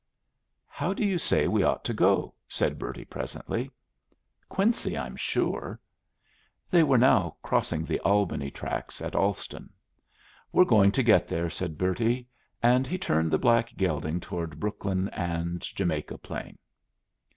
"How do you say we ought to go?" said Bertie, presently. "Quincy, I'm sure." They were now crossing the Albany tracks at Allston. "We're going to get there," said Bertie; and he turned the black gelding toward Brookline and Jamaica Plain.